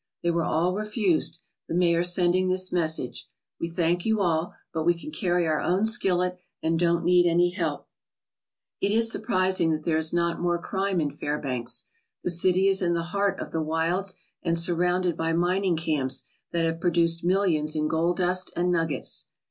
They were all refused, the mayor sending this message: 'We thank you all, but we can carry our own skillet and don't need any help/" It is surprising that there is not more crime in Fair banks. The city is in the heart of the wilds and sur rounded by mining camps that have produced millions in gold dust and nuggets.